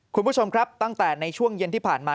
คุณผู้ชมครับตั้งแต่ในช่วงเย็นที่ผ่านมา